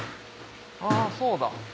あそうだ。